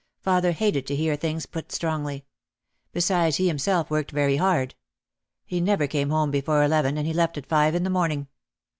Father hated to hear things put strongly. Besides he himself worked very hard. He never came home before eleven and he left at five in the morning.